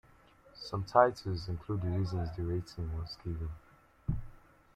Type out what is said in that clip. Some titles include the reasons the rating was given.